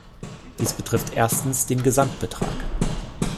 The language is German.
Dies betrifft erstens den Gesamtbetrag.